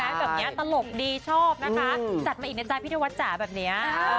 แบบนี้ตลกดีชอบนะคะจัดมาอีกในจานพิธีวัฒน์จ๋าแบบนี้